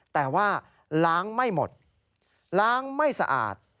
แต่ว่าล้างไม่หมดล้างไม่สะอาด